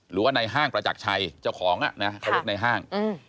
หรือว่าในห้างประจักรชัยเจ้าของเขาเรียกในห้าง